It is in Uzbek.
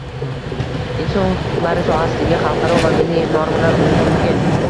Inson huquqlari sohasidagi xalqaro va milliy normalar uyg‘unligi